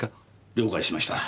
了解しました。